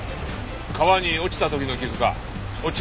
川に落ちた時の傷か落ちる前の傷か？